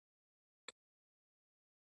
کنجد په نانوايۍ کې کارول کیږي.